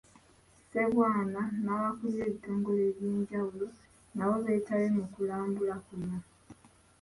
Ssebwana n'abakulira ebitongole ebyenjawulo nabo beetabye mu kulambula kuno.